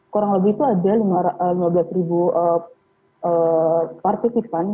kurang lebih itu ada lima belas ribu partisipan